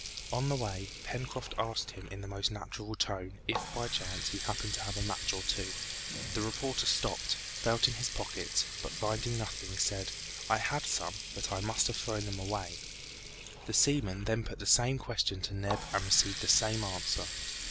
On the way, Pencroft asked him in the most natural tone, if by chance he happened to have a match or two. The reporter stopped, felt in his pockets, but finding nothing said, "I had some, but I must have thrown them away." The seaman then put the same question to Neb and received the same answer.